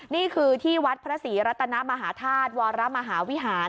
นี่คือที่วัดพระศรีรัตนมหาธาตุวรมหาวิหาร